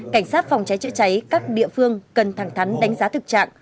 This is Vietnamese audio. cảnh sát phòng cháy chữa cháy các địa phương cần thẳng thắn đánh giá thực trạng